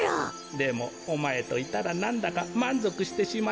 でもおまえといたらなんだかまんぞくしてしまったんじゃよ。